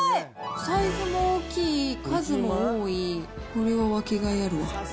サイズも大きい、数も多い、これは分けがいあるわ。